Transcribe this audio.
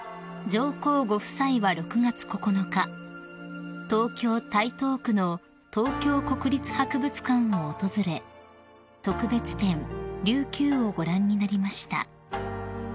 ［上皇ご夫妻は６月９日東京台東区の東京国立博物館を訪れ特別展「琉球」をご覧になりました］